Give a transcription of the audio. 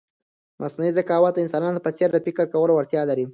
مصنوعي ذکاوت د انسانانو په څېر د فکر کولو وړتیا لري.